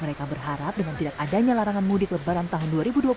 mereka berharap dengan tidak adanya larangan mudik lebaran tahun dua ribu dua puluh satu